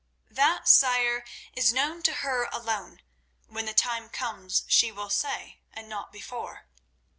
"That, sire, is known to her alone. When the time comes, she will say, and not before."